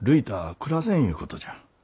暮らせんいうことじゃ。